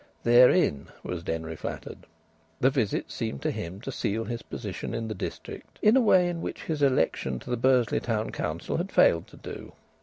Therein was Denry flattered. The visit seemed to him to seal his position in the district in a way in which his election to the Bursley Town Council had failed to do.